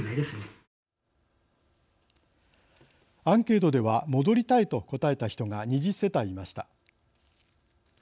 アンケートでは戻りたいと答えた人が２０世帯いました。